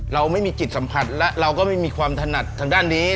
เราไม่มีจิตสัมผัสและเราก็ไม่มีความถนัดทางด้านนี้